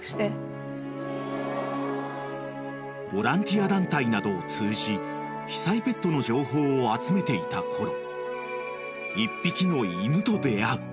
［ボランティア団体などを通じ被災ペットの情報を集めていたころ］